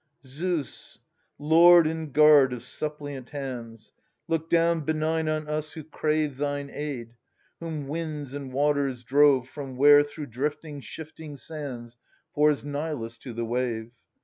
Zeus ! Lord and guard of suppliant hands ! Look down benign on us who crave Thine aid — whom winds and waters diove From where, through drifting shifting sands, Pours Nilus to the wave.